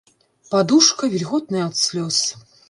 Падушка вільготная ад слёз.